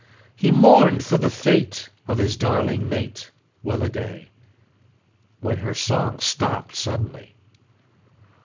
He mourn'd for the fate of his darling mate, Well a day!' when her song stopped suddenly.